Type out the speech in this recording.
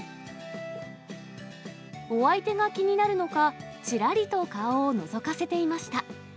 お相手が気になるのか、ちらりと顔をのぞかせていました。